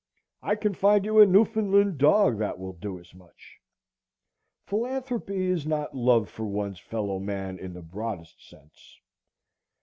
I can find you a Newfoundland dog that will do as much. Philanthropy is not love for one's fellow man in the broadest sense.